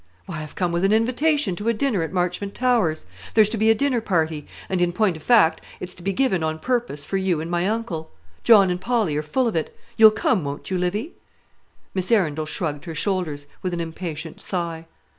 "Why, I've come with an invitation to a dinner at Marchmont Towers. There's to be a dinner party; and, in point of fact, it's to be given on purpose for you and my uncle. John and Polly are full of it. You'll come, won't you, Livy?" Miss Arundel shrugged her shoulders, with an impatient sigh.